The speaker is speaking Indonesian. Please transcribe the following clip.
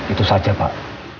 itu saja pak